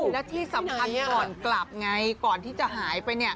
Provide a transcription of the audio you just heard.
และที่สำคัญก่อนกลับไงก่อนที่จะหายไป